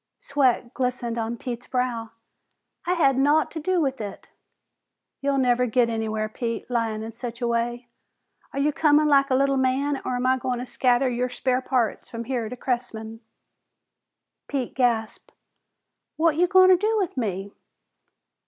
Sweat glistened on Pete's brow. "I had naught to do with it!" "You'll never git anywhere, Pete, lyin' in such a way. Are you comin' like a little man, or am I goin' to scatter your spare parts from here to Cressman?" Pete gasped, "What you goin' to do with me?"